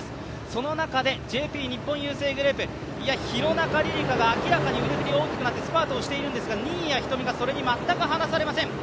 その中で、ＪＰ日本郵政グループの廣中璃梨佳が明らかに腕振りが大きくなってスパートをしているんですが新谷仁美が全く離されません。